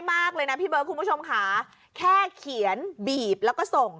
มากเลยนะพี่เบิร์ดคุณผู้ชมค่ะแค่เขียนบีบแล้วก็ส่ง